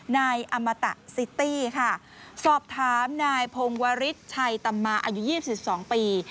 นายอามะตะซิตี้ค่ะสอบถามนายพงวริชชัยตำมาอายุยี่สิบสิบสองปี